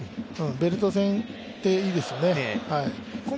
ベルト線でいいですよね。